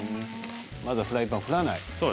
まだフライパンを振らない。